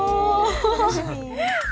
楽しみ。